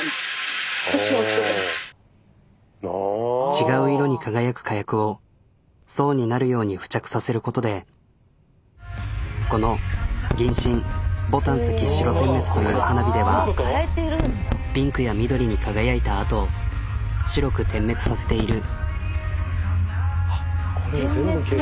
違う色に輝く火薬を層になるように付着させることでこのという花火ではピンクや緑に輝いたあと白く点滅させている。